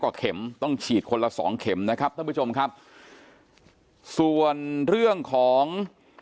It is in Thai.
เข็มต้องฉีดคนละสองเข็มนะครับท่านผู้ชมครับส่วนเรื่องของ